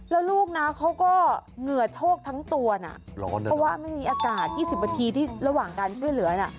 แล้วลูกนะเขาก็เหงื่อโชคทั้งตัวนะเพราะว่าไม่มีอากาศ๒๐นาทีที่ระหว่างการช่วยเหลือน่ะ